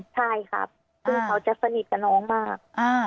ใช่ครับซึ่งเขาจะสนิทกับน้องมาก